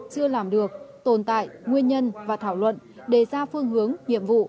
chưa làm được tồn tại nguyên nhân và thảo luận đề ra phương hướng nhiệm vụ